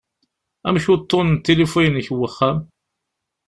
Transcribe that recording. Amek uṭṭun n tilifu-inek n uxxam?